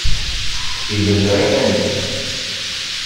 Ibelleɛ iman-is.